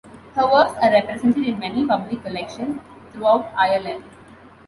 Her works are represented in many public collections throughout Ireland.